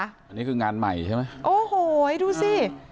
อันนี้คืองานใหม่ใช่ไหมโอ้โหดูสิ